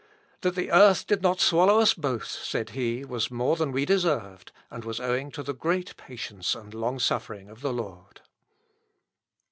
"That the earth did not swallow us both," said he, "was more than we deserved, and was owing to the great patience and long suffering of the Lord."